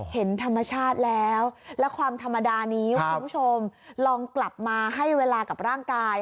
เห็นธรรมชาติแล้วและความธรรมดานี้คุณผู้ชมลองกลับมาให้เวลากับร่างกาย